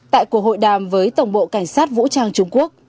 tại cuộc hội đàm với tổng bộ cảnh sát vũ trang trung quốc